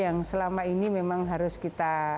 yang selama ini memang harus kita